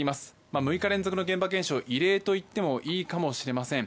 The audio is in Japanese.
６日連続の現場検証は異例といってもいいかもしれません。